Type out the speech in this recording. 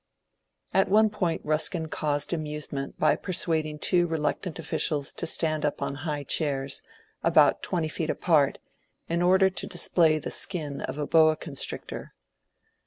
At one point Buskin caused amusement by persuading two reluctant officials to stand up on high chairs, about twenty feet apart, in order to display the skin of a boa constrictor.